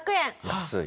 安い。